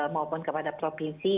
maupun kepada provinsi